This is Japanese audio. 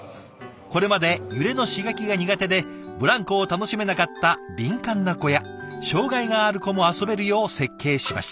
これまで揺れの刺激が苦手でブランコを楽しめなかった敏感な子や障がいがある子も遊べるよう設計しました。